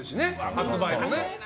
発売もね。